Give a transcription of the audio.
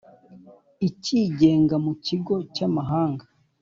icyigenga mu kigo cy amahanga